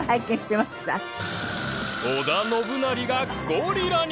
織田信成がゴリラに！？